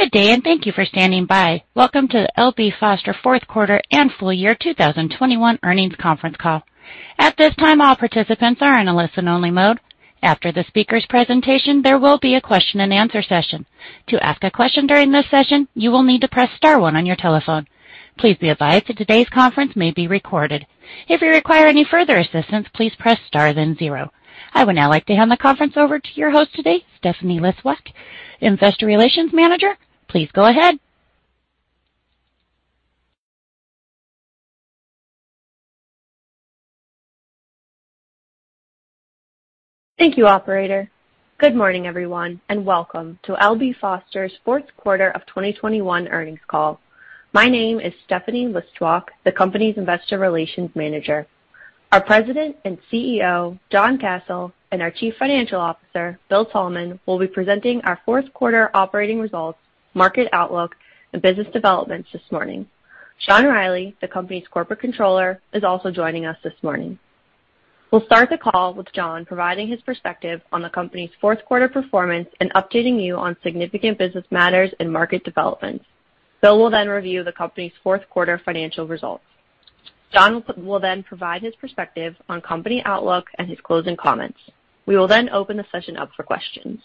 Good day, and thank you for standing by. Welcome to the L.B. Foster fourth quarter and full year 2021 earnings conference call. At this time, all participants are in a listen-only mode. After the speakers' presentation, there will be a question-and-answer session. To ask a question during this session, you will need to press star one on your telephone. Please be advised that today's conference may be recorded. If you require any further assistance, please press star, then zero. I would now like to hand the conference over to your host today, Stephanie Listwak, Investor Relations Manager. Please go ahead. Thank you, operator. Good morning, everyone, and welcome to L.B. Foster's fourth quarter of 2021 earnings call. My name is Stephanie Listwak, the company's Investor Relations Manager. Our President and CEO, John Kasel, and our Chief Financial Officer, William Thalman, will be presenting our fourth quarter operating results, market outlook, and business developments this morning. Sean Reilly, the company's Corporate Controller, is also joining us this morning. We'll start the call with John providing his perspective on the company's fourth quarter performance and updating you on significant business matters and market developments. Bill will then review the company's fourth quarter financial results. John will then provide his perspective on company outlook and his closing comments. We will then open the session up for questions.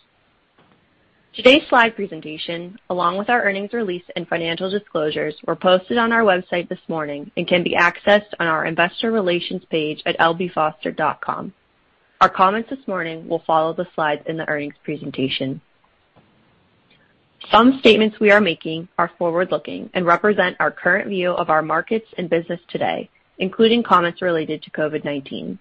Today's slide presentation, along with our earnings release and financial disclosures, were posted on our website this morning and can be accessed on our investor relations page at lbfoster.com. Our comments this morning will follow the slides in the earnings presentation. Some statements we are making are forward-looking and represent our current view of our markets and business today, including comments related to COVID-19.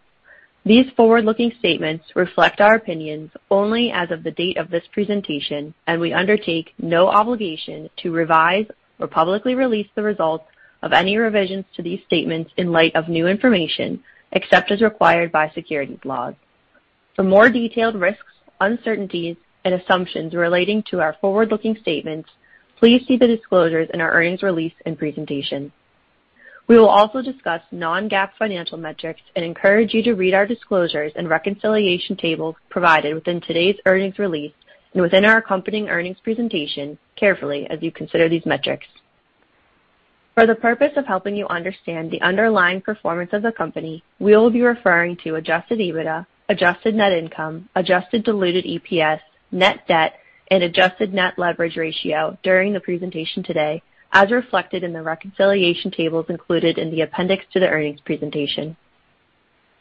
These forward-looking statements reflect our opinions only as of the date of this presentation, and we undertake no obligation to revise or publicly release the results of any revisions to these statements in light of new information, except as required by securities laws. For more detailed risks, uncertainties, and assumptions relating to our forward-looking statements, please see the disclosures in our earnings release and presentation. We will also discuss non-GAAP financial metrics and encourage you to read our disclosures and reconciliation tables provided within today's earnings release and within our accompanying earnings presentation carefully as you consider these metrics. For the purpose of helping you understand the underlying performance of the company, we will be referring to adjusted EBITDA, adjusted net income, adjusted diluted EPS, net debt, and adjusted net leverage ratio during the presentation today, as reflected in the reconciliation tables included in the appendix to the earnings presentation.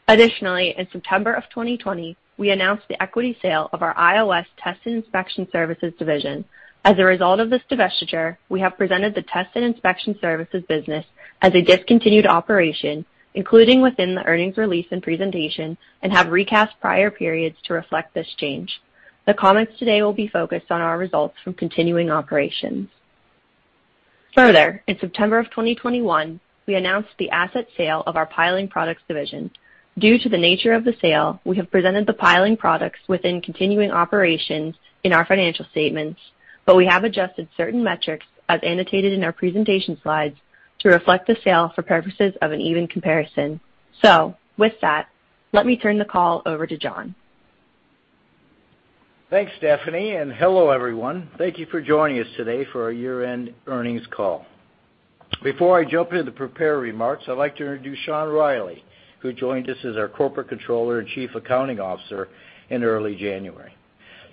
Additionally, in September 2020, we announced the equity sale of our IOS Test and Inspection Services division. As a result of this divestiture, we have presented the test and inspection services business as a discontinued operation, including within the earnings release and presentation, and have recast prior periods to reflect this change. The comments today will be focused on our results from continuing operations. Further, in September 2021, we announced the asset sale of our Piling Products division. Due to the nature of the sale, we have presented the Piling Products within continuing operations in our financial statements, but we have adjusted certain metrics as annotated in our presentation slides to reflect the sale for purposes of an even comparison. With that, let me turn the call over to John. Thanks, Stephanie, and hello, everyone. Thank you for joining us today for our year-end earnings call. Before I jump into the prepared remarks, I'd like to introduce Sean Reilly, who joined us as our Corporate Controller and Chief Accounting Officer in early January.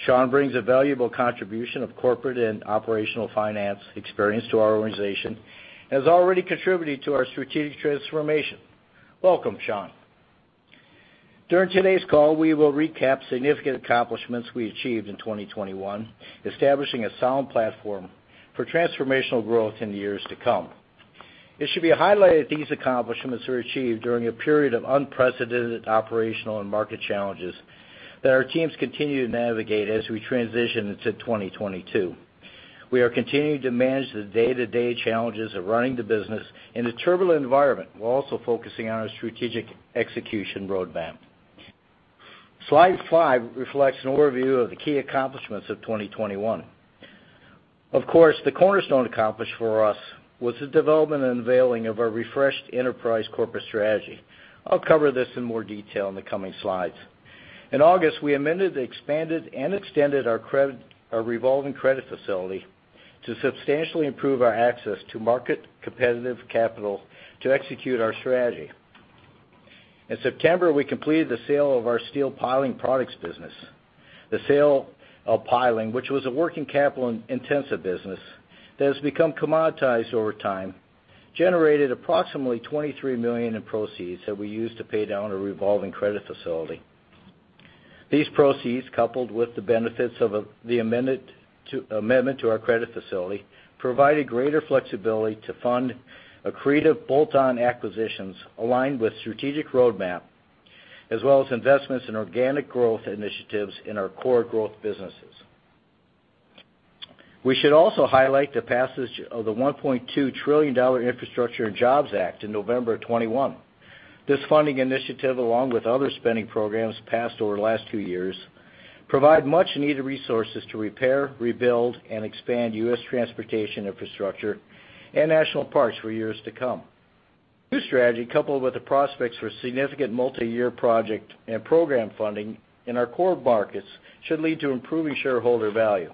Sean brings a valuable contribution of corporate and operational finance experience to our organization and has already contributed to our strategic transformation. Welcome, Sean. During today's call, we will recap significant accomplishments we achieved in 2021, establishing a sound platform for transformational growth in the years to come. It should be highlighted these accomplishments were achieved during a period of unprecedented operational and market challenges that our teams continue to navigate as we transition into 2022. We are continuing to manage the day-to-day challenges of running the business in a turbulent environment while also focusing on our strategic execution roadmap. Slide five reflects an overview of the key accomplishments of 2021. Of course, the cornerstone accomplished for us was the development and unveiling of our refreshed enterprise corporate strategy. I'll cover this in more detail in the coming slides. In August, we amended, expanded, and extended our revolving credit facility to substantially improve our access to market competitive capital to execute our strategy. In September, we completed the sale of our steel Piling Products business. The sale of Piling, which was a working-capital-intensive business that has become commoditized over time, generated approximately $23 million in proceeds that we used to pay down our revolving credit facility. These proceeds, coupled with the benefits of the amendment to our credit facility, provided greater flexibility to fund accretive bolt-on acquisitions aligned with strategic roadmap as well as investments in organic growth initiatives in our core growth businesses. We should also highlight the passage of the $1.2 trillion Infrastructure Investment and Jobs Act in November 2021. This funding initiative, along with other spending programs passed over the last two years, provide much-needed resources to repair, rebuild, and expand U.S. transportation infrastructure and national parks for years to come. New strategy coupled with the prospects for significant multiyear project and program funding in our core markets should lead to improving shareholder value.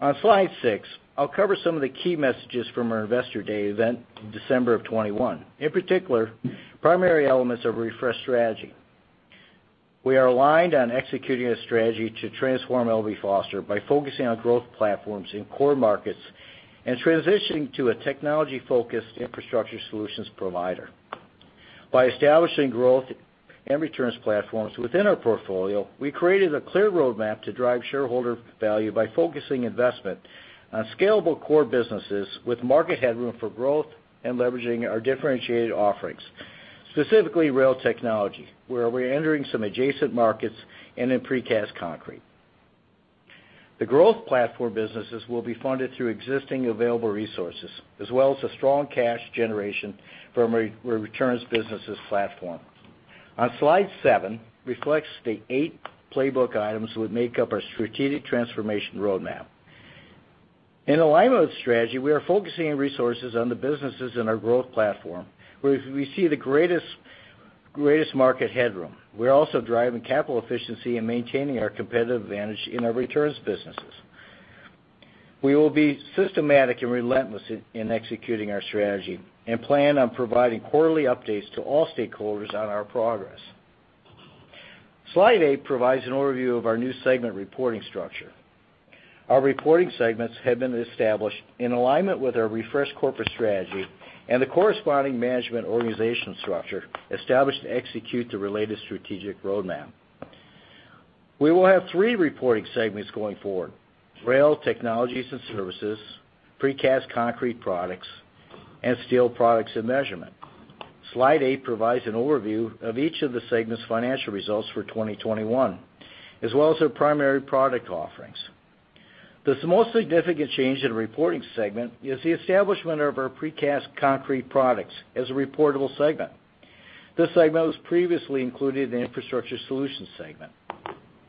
On slide six, I'll cover some of the key messages from our Investor Day event in December 2021. In particular, primary elements of refreshed strategy. We are aligned on executing a strategy to transform L.B. Foster by focusing on growth platforms in core markets and transitioning to a technology-focused Infrastructure Solutions provider. By establishing growth and returns platforms within our portfolio, we created a clear roadmap to drive shareholder value by focusing investment on scalable core businesses with market headroom for growth and leveraging our differentiated offerings, specifically rail technology, where we're entering some adjacent markets and in precast concrete. The growth platform businesses will be funded through existing available resources as well as the strong cash generation from return businesses platform. On slide seven reflects the eight playbook items which make up our strategic transformation roadmap. In alignment with strategy, we are focusing resources on the businesses in our growth platform, where we see the greatest market headroom. We're also driving capital efficiency and maintaining our competitive advantage in our returns businesses. We will be systematic and relentless in executing our strategy and plan on providing quarterly updates to all stakeholders on our progress. Slide eight provides an overview of our new segment reporting structure. Our reporting segments have been established in alignment with our refreshed corporate strategy and the corresponding management organization structure established to execute the related strategic roadmap. We will have three reporting segments going forward: Rail, Technologies and Services, Precast Concrete Products, and Steel Products and Measurement. Slide eight provides an overview of each of the segment's financial results for 2021, as well as their primary product offerings. The most significant change in the reporting segment is the establishment of our Precast Concrete Products as a reportable segment. This segment was previously included in the Infrastructure Solutions segment.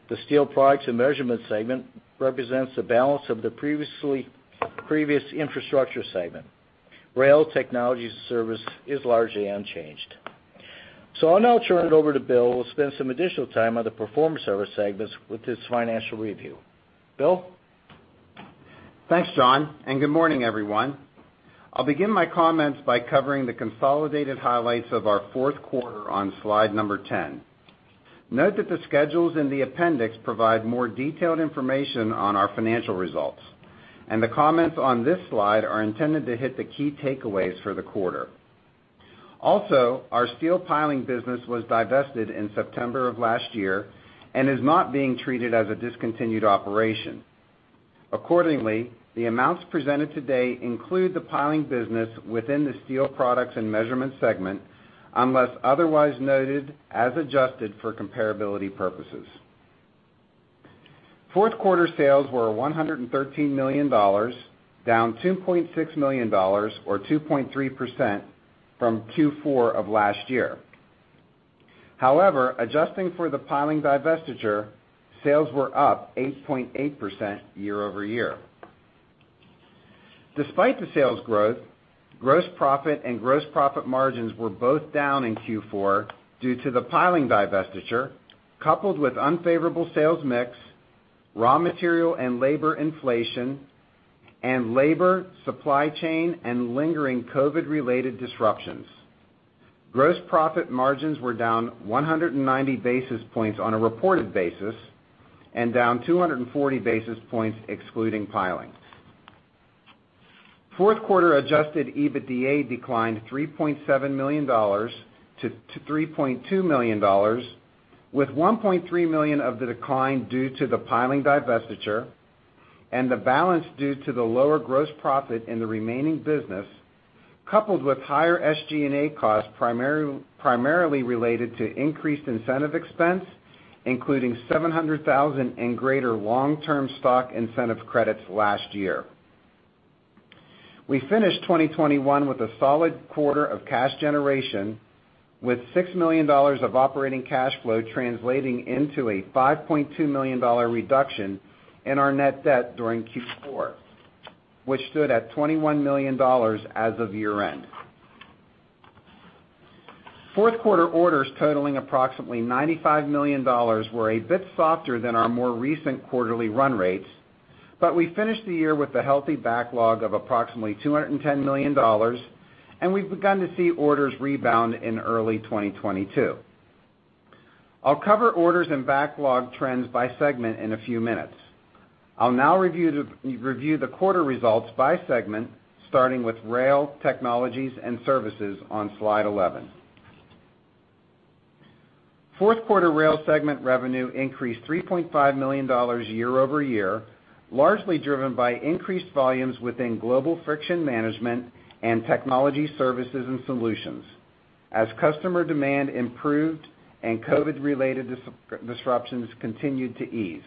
The Steel Products and Measurement segment represents the balance of the previously Infrastructure Solutions segment. Rail Technologies and Services is largely unchanged. I'll now turn it over to Bill, who will spend some additional time on the performance service segments with his financial review. Bill? Thanks, John, and good morning, everyone. I'll begin my comments by covering the consolidated highlights of our fourth quarter on slide number 10. Note that the schedules in the appendix provide more detailed information on our financial results, and the comments on this slide are intended to hit the key takeaways for the quarter. Also, our steel piling business was divested in September of last year and is not being treated as a discontinued operation. Accordingly, the amounts presented today include the piling business within the Steel Products and Measurement segment, unless otherwise noted as adjusted for comparability purposes. Fourth quarter sales were $113 million, down $2.6 million or 2.3% from Q4 of last year. However, adjusting for the piling divestiture, sales were up 8.8% year-over-year. Despite the sales growth, gross profit and gross profit margins were both down in Q4 due to the piling divestiture, coupled with unfavorable sales mix, raw material and labor inflation, and labor, supply chain, and lingering COVID-related disruptions. Gross profit margins were down 190 basis points on a reported basis and down 240 basis points excluding pilings. Fourth quarter adjusted EBITDA declined $3.7 million-$3.2 million, with $1.3 million of the decline due to the piling divestiture and the balance due to the lower gross profit in the remaining business, coupled with higher SG&A costs primarily related to increased incentive expense, including $700,000 in greater long-term stock incentive credits last year. We finished 2021 with a solid quarter of cash generation with $6 million of operating cash flow translating into a $5.2 million reduction in our net debt during Q4, which stood at $21 million as of year-end. Fourth quarter orders totaling approximately $95 million were a bit softer than our more recent quarterly run rates, but we finished the year with a healthy backlog of approximately $210 million, and we've begun to see orders rebound in early 2022. I'll cover orders and backlog trends by segment in a few minutes. I'll now review the quarter results by segment, starting with Rail, Technologies, and Services on slide 11. Fourth quarter rail segment revenue increased $3.5 million year-over-year, largely driven by increased volumes within global friction management and technology services and solutions as customer demand improved and COVID-related disruptions continued to ease.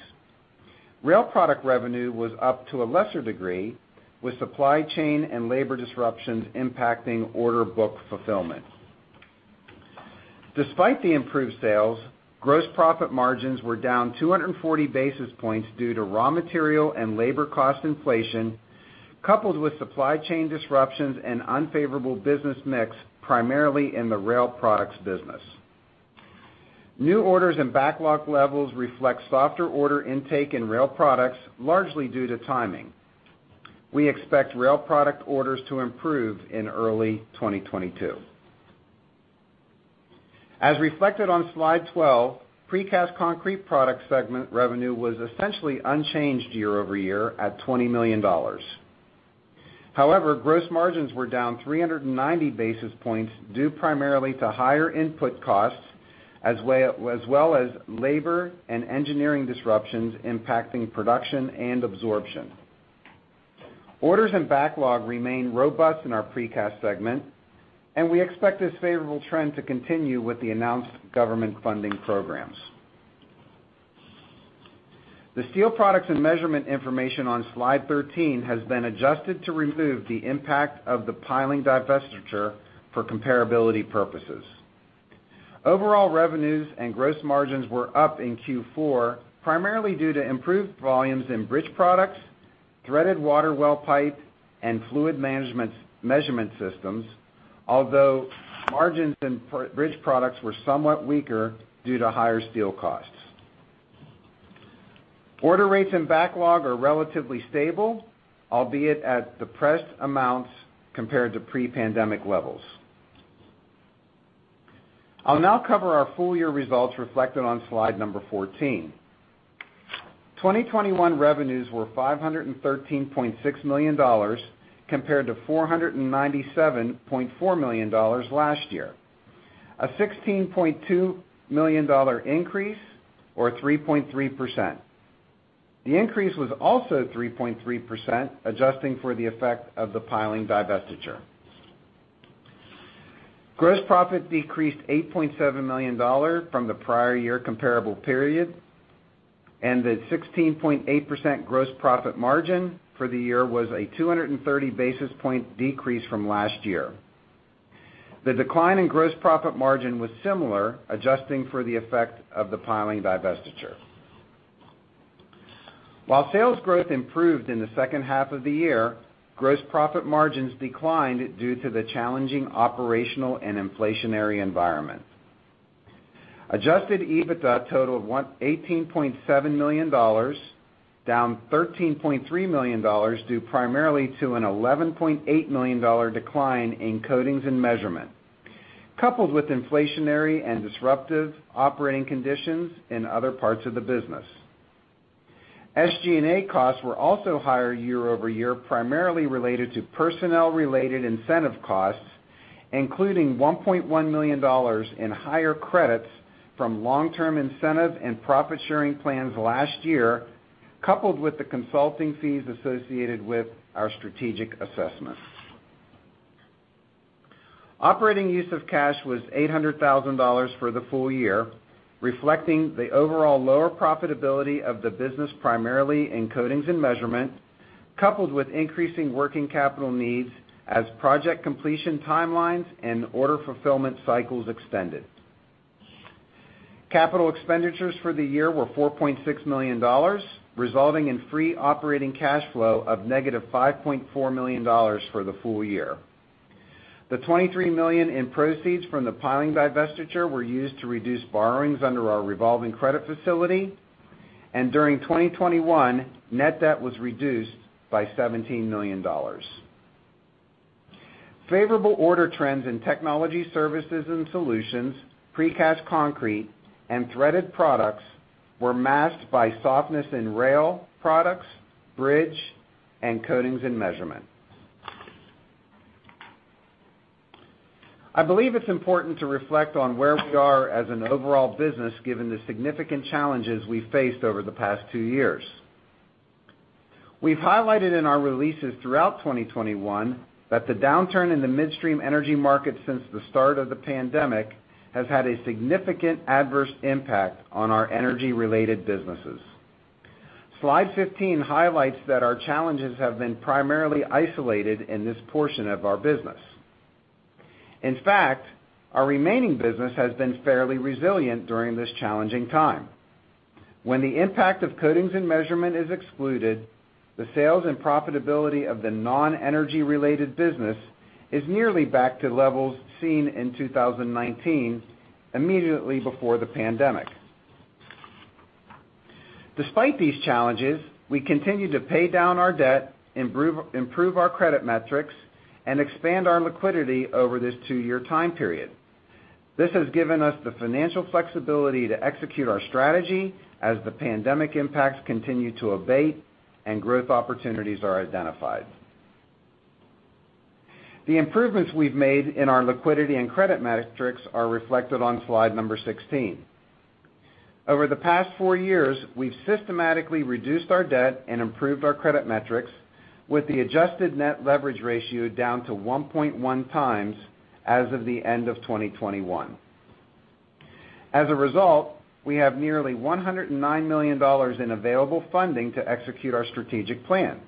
Rail product revenue was up to a lesser degree, with supply chain and labor disruptions impacting order book fulfillment. Despite the improved sales, gross profit margins were down 240 basis points due to raw material and labor cost inflation, coupled with supply chain disruptions and unfavorable business mix, primarily in the rail products business. New orders and backlog levels reflect softer order intake in rail products, largely due to timing. We expect rail product orders to improve in early 2022. As reflected on slide 12, precast concrete products segment revenue was essentially unchanged year-over-year at $20 million. However, gross margins were down 390 basis points due primarily to higher input costs as well as labor and engineering disruptions impacting production and absorption. Orders and backlog remain robust in our precast segment, and we expect this favorable trend to continue with the announced government funding programs. The Steel Products and Measurement information on slide 13 has been adjusted to remove the impact of the piling divestiture for comparability purposes. Overall revenues and gross margins were up in Q4, primarily due to improved volumes in Bridge Products, threaded water well pipe, and fluid measurement systems. Although margins in Bridge Products were somewhat weaker due to higher steel costs. Order rates and backlog are relatively stable, albeit at depressed amounts compared to pre-pandemic levels. I'll now cover our full year results reflected on slide number 14. 2021 revenues were $513.6 million compared to $497.4 million last year. A $16.2 million increase or 3.3%. The increase was also 3.3% adjusting for the effect of the piling divestiture. Gross profit decreased $8.7 million from the prior year comparable period, and the 16.8% gross profit margin for the year was a 230 basis point decrease from last year. The decline in gross profit margin was similar, adjusting for the effect of the piling divestiture. While sales growth improved in the second half of the year, gross profit margins declined due to the challenging operational and inflationary environment. Adjusted EBITDA totaled $18.7 million, down $13.3 million due primarily to an $11.8 million decline in Coatings and Measurement, coupled with inflationary and disruptive operating conditions in other parts of the business. SG&A costs were also higher year-over-year, primarily related to personnel-related incentive costs, including $1.1 million in higher credits from long-term incentive and profit-sharing plans last year, coupled with the consulting fees associated with our strategic assessments. Operating use of cash was $800,000 for the full year, reflecting the overall lower profitability of the business primarily in Coatings and Measurement, coupled with increasing working capital needs as project completion timelines and order fulfillment cycles extended. Capital expenditures for the year were $4.6 million, resulting in free operating cash flow of negative $5.4 million for the full year. The $23 million in proceeds from the piling divestiture were used to reduce borrowings under our revolving credit facility, and during 2021, net debt was reduced by $17 million. Favorable order trends in Technology Services and Solutions, Precast Concrete, and threaded products were masked by softness in Rail Products, Bridge Products, and Coatings and Measurement. I believe it's important to reflect on where we are as an overall business given the significant challenges we faced over the past two years. We've highlighted in our releases throughout 2021 that the downturn in the midstream energy market since the start of the pandemic has had a significant adverse impact on our energy-related businesses. Slide 15 highlights that our challenges have been primarily isolated in this portion of our business. In fact, our remaining business has been fairly resilient during this challenging time. When the impact of Coatings and Measurement is excluded, the sales and profitability of the non-energy related business is nearly back to levels seen in 2019, immediately before the pandemic. Despite these challenges, we continue to pay down our debt, improve our credit metrics, and expand our liquidity over this two-year time period. This has given us the financial flexibility to execute our strategy as the pandemic impacts continue to abate and growth opportunities are identified. The improvements we've made in our liquidity and credit metrics are reflected on slide number 16. Over the past four years, we've systematically reduced our debt and improved our credit metrics with the adjusted net leverage ratio down to 1.1 times as of the end of 2021. As a result, we have nearly $109 million in available funding to execute our strategic plan,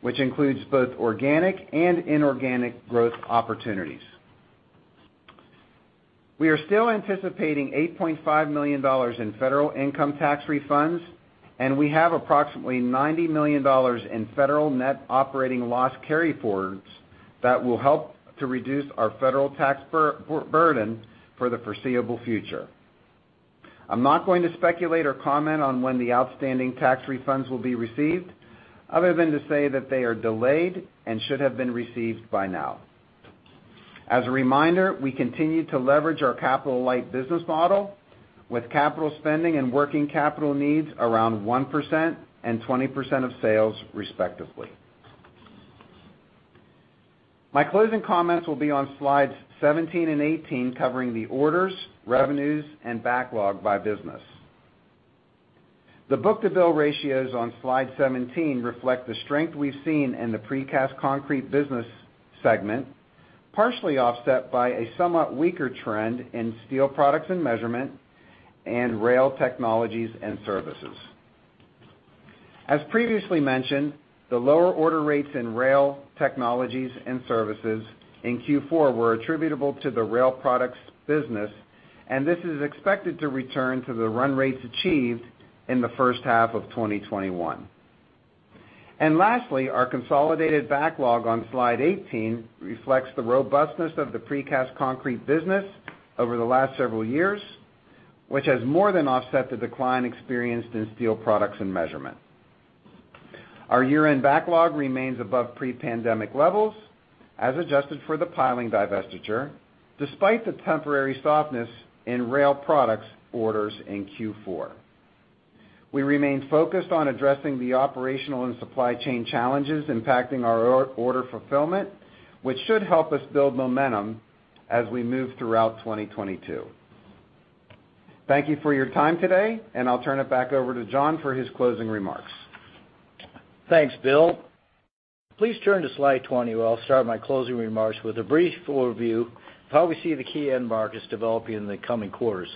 which includes both organic and inorganic growth opportunities. We are still anticipating $8.5 million in federal income tax refunds, and we have approximately $90 million in federal net operating loss carryforwards that will help to reduce our federal tax burden for the foreseeable future. I'm not going to speculate or comment on when the outstanding tax refunds will be received, other than to say that they are delayed and should have been received by now. As a reminder, we continue to leverage our capital-light business model with capital spending and working capital needs around 1% and 20% of sales, respectively. My closing comments will be on slides 17 and 18, covering the orders, revenues, and backlog by business. The book-to-bill ratios on slide 17 reflect the strength we've seen in the precast concrete business segment, partially offset by a somewhat weaker trend in Steel Products and Measurement and Rail, Technologies, and Services. As previously mentioned, the lower order rates in Rail, Technologies, and Services in Q4 were attributable to the rail products business, and this is expected to return to the run rates achieved in the first half of 2021. Lastly, our consolidated backlog on slide 18 reflects the robustness of the precast concrete business over the last several years, which has more than offset the decline experienced in Steel Products and Measurement. Our year-end backlog remains above pre-pandemic levels as adjusted for the piling divestiture, despite the temporary softness in Rail Products orders in Q4. We remain focused on addressing the operational and supply chain challenges impacting our order fulfillment, which should help us build momentum as we move throughout 2022. Thank you for your time today, and I'll turn it back over to John for his closing remarks. Thanks, Bill. Please turn to slide 20, where I'll start my closing remarks with a brief overview of how we see the key end markets developing in the coming quarters.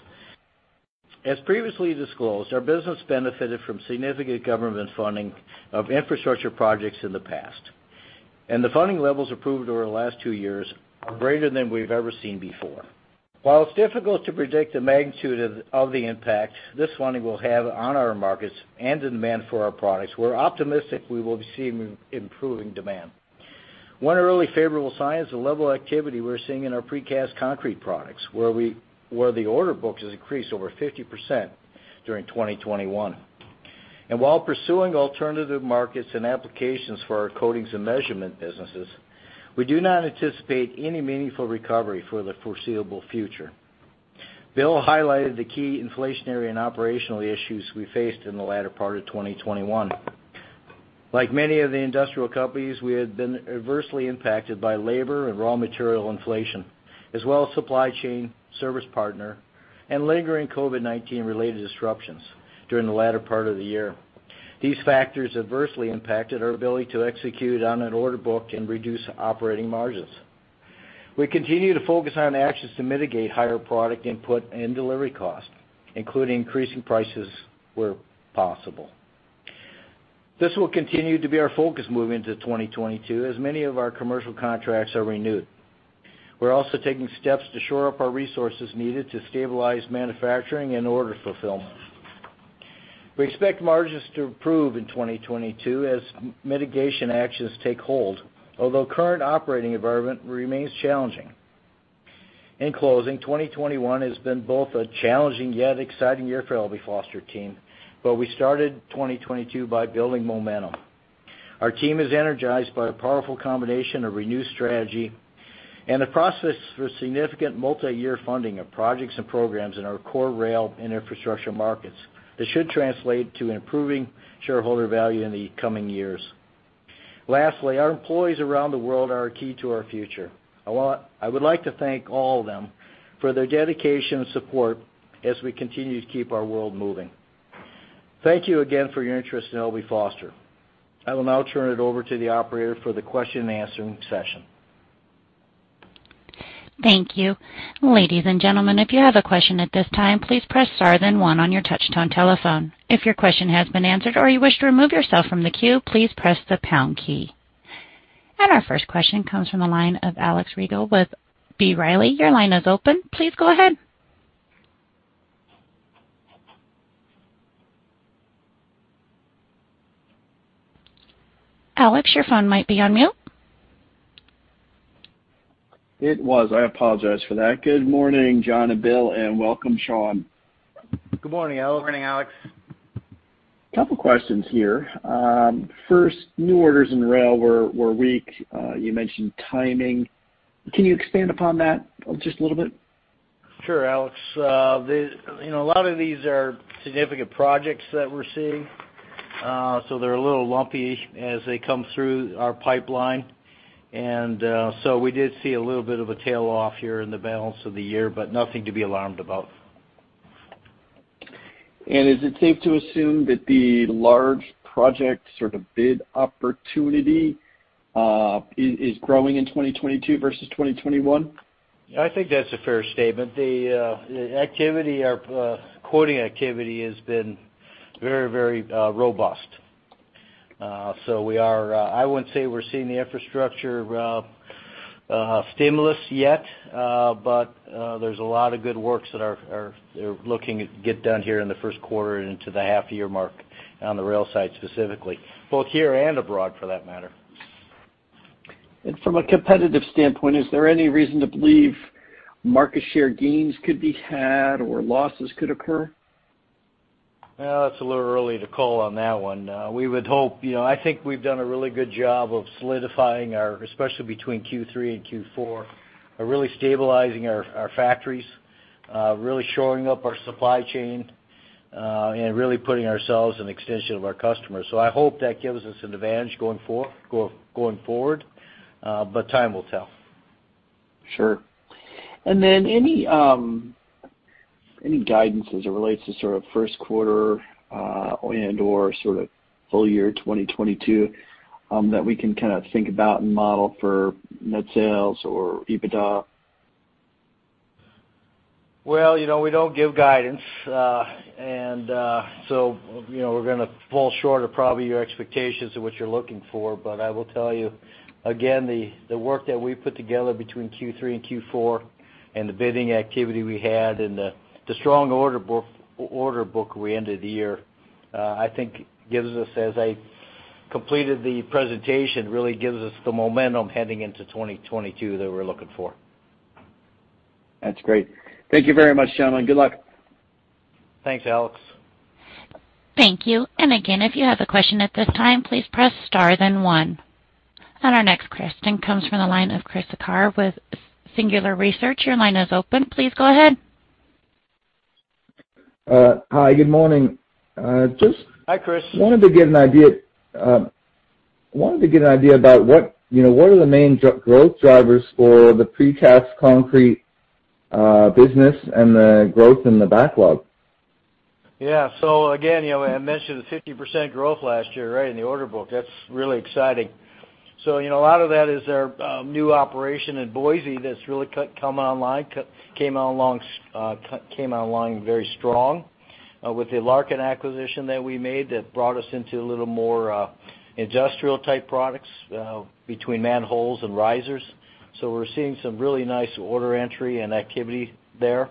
As previously disclosed, our business benefited from significant government funding of infrastructure projects in the past, and the funding levels approved over the last two years are greater than we've ever seen before. While it's difficult to predict the magnitude of the impact this funding will have on our markets and the demand for our products, we're optimistic we will be seeing improving demand. One early favorable sign is the level of activity we're seeing in our precast concrete products, where the order books has increased over 50% during 2021. While pursuing alternative markets and applications for our coatings and measurement businesses, we do not anticipate any meaningful recovery for the foreseeable future. Bill highlighted the key inflationary and operational issues we faced in the latter part of 2021. Like many of the industrial companies, we had been adversely impacted by labor and raw material inflation, as well as supply chain, service partner, and lingering COVID-19-related disruptions during the latter part of the year. These factors adversely impacted our ability to execute on an order book and reduce operating margins. We continue to focus on actions to mitigate higher product input and delivery costs, including increasing prices where possible. This will continue to be our focus moving into 2022, as many of our commercial contracts are renewed. We're also taking steps to shore up our resources needed to stabilize manufacturing and order fulfillment. We expect margins to improve in 2022 as mitigation actions take hold, although current operating environment remains challenging. In closing, 2021 has been both a challenging yet exciting year for L.B. Foster team, but we started 2022 by building momentum. Our team is energized by a powerful combination of renewed strategy and the prospects for significant multiyear funding of projects and programs in our core rail and infrastructure markets that should translate to improving shareholder value in the coming years. Lastly, our employees around the world are our key to our future. I would like to thank all of them for their dedication and support as we continue to keep our world moving. Thank you again for your interest in L.B. Foster. I will now turn it over to the operator for the question and answer session. Thank you. Ladies and gentlemen, if you have a question at this time, please press star then one on your touchtone telephone. If your question has been answered or you wish to remove yourself from the queue, please press the pound key. Our first question comes from the line of Alex Rygiel with B. Riley. Your line is open. Please go ahead. Alex, your phone might be on mute. It was. I apologize for that. Good morning, John and Bill, and welcome, Sean. Good morning, Alex. Morning, Alex. Couple questions here. First, new orders in rail were weak. You mentioned timing. Can you expand upon that just a little bit? Sure, Alex. You know, a lot of these are significant projects that we're seeing, so they're a little lumpy as they come through our pipeline. We did see a little bit of a tail-off here in the balance of the year, but nothing to be alarmed about. Is it safe to assume that the large project sort of bid opportunity is growing in 2022 versus 2021? I think that's a fair statement. The activity or quoting activity has been very robust. We are, I wouldn't say, we're seeing the infrastructure stimulus yet, but there's a lot of good works that are, they're looking to get done here in the first quarter and into the half year mark on the rail side specifically, both here and abroad for that matter. From a competitive standpoint, is there any reason to believe market share gains could be had or losses could occur? Well, it's a little early to call on that one. We would hope, you know, I think we've done a really good job of solidifying our, especially between Q3 and Q4, really stabilizing our factories, really shoring up our supply chain, and really putting ourselves in extension of our customers. I hope that gives us an advantage going forward, but time will tell. Sure. Any guidance as it relates to sort of first quarter and/or sort of full year 2022 that we can kind of think about and model for net sales or EBITDA? Well, you know, we don't give guidance. You know, we're gonna fall short of probably your expectations of what you're looking for. I will tell you, again, the work that we put together between Q3 and Q4 and the bidding activity we had and the strong order book we ended the year, I think gives us, as I completed the presentation, really gives us the momentum heading into 2022 that we're looking for. That's great. Thank you very much, gentlemen. Good luck. Thanks, Alex. Thank you. Again, if you have a question at this time, please press star then one. Our next question comes from the line of Christopher with Singular Research. Your line is open. Please go ahead. Hi, good morning. Hi, Chris. I wanted to get an idea about what, you know, what are the main growth drivers for the Precast Concrete business and the growth in the backlog? Yeah. Again, you know, I mentioned the 50% growth last year, right, in the order book. That's really exciting. You know, a lot of that is our new operation in Boise that's really came online very strong with the Larken acquisition that we made that brought us into a little more industrial type products between manholes and risers. We're seeing some really nice order entry and activity there,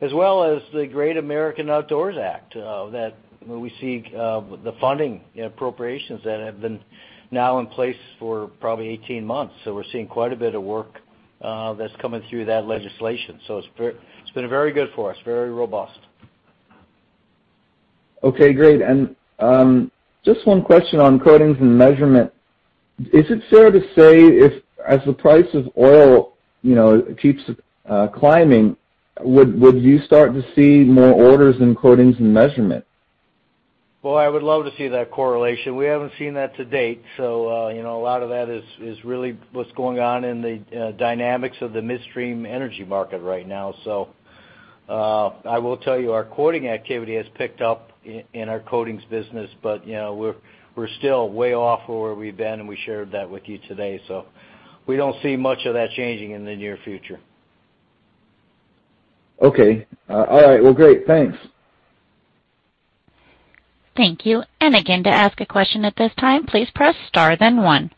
as well as the Great American Outdoors Act, where we see the funding appropriations that have been now in place for probably 18 months. It's been very good for us, very robust. Okay, great. Just one question on coatings and measurement. Is it fair to say if as the price of oil, you know, keeps climbing, would you start to see more orders in coatings and measurement? Boy, I would love to see that correlation. We haven't seen that to date. You know, a lot of that is really what's going on in the dynamics of the midstream energy market right now. I will tell you our quoting activity has picked up in our Coatings business, but you know, we're still way off of where we've been, and we shared that with you today. We don't see much of that changing in the near future. Okay. All right. Well, great. Thanks. Thank you. Again, to ask a question at this time, please press star then one.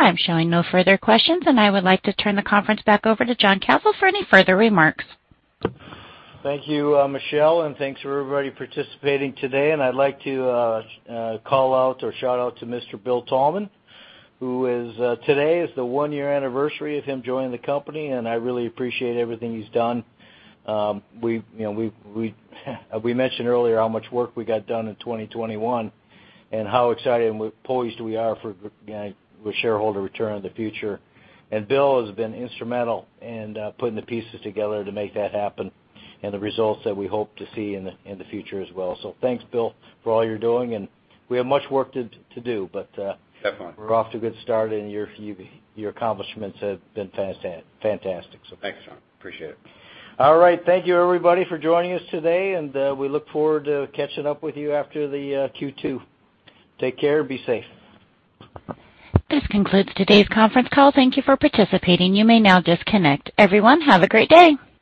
I am showing no further questions, and I would like to turn the conference back over to John Kasel for any further remarks. Thank you, Michelle, and thanks for everybody participating today. I'd like to call out or shout out to Mr. William Thalman. Today is the one-year anniversary of him joining the company, and I really appreciate everything he's done. We've, you know, mentioned earlier how much work we got done in 2021 and how excited and poised we are for, you know, with shareholder return in the future. Bill has been instrumental in putting the pieces together to make that happen and the results that we hope to see in the future as well. Thanks, Bill, for all you're doing and we have much work to do, but Definitely. We're off to a good start and your accomplishments have been fantastic. Thanks. Thanks, John. Appreciate it. All right. Thank you everybody for joining us today, and we look forward to catching up with you after the Q2. Take care and be safe. This concludes today's conference call. Thank you for participating. You may now disconnect. Everyone, have a great day.